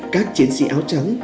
các chiến sĩ áo trắng